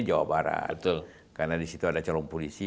jawa barat karena disitu ada calon polisi